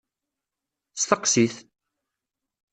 Steqsit!